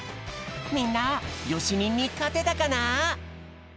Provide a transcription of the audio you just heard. みんなよし忍にかてたかな？